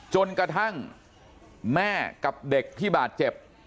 จนกระทั่งแม่กับเด็กที่บาดเจ็บ